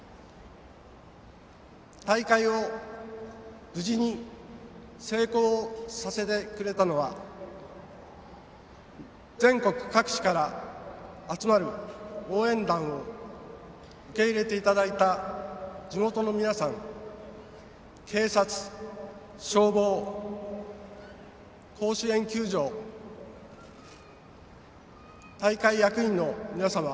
大会を無事に成功させてくれたのは全国各地から集まる応援団を受け入れていただいた地元の皆さん、警察消防、甲子園球場大会役員の皆様。